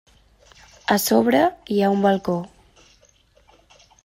A sobre hi ha un balcó.